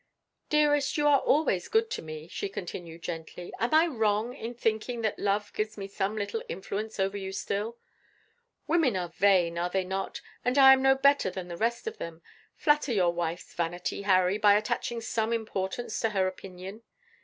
"Dearest, you are always good to me," she continued gently. "Am I wrong in thinking that love gives me some little influence over you still? Women are vain are they not? and I am no better than the rest of them. Flatter your wife's vanity, Harry, by attaching some importance to her opinion.